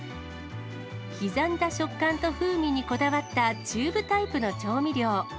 刻んだ食感と風味にこだわったチューブタイプの調味料。